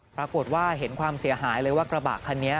ปรากฏว่าเห็นความเสียหายเลยว่ากระบะคันนี้